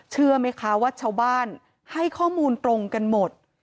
เชื่อไหมคะว่าชาวบ้านให้ข้อมูลตรงกันหมด